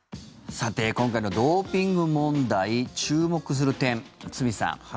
今回のドーピング問題注目する点、堤さん。